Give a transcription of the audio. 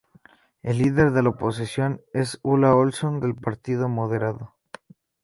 La líder de la oposición es Ulla Olson, del Partido Moderado.